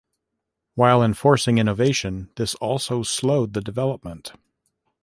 While enforcing innovation, this also slowed the development.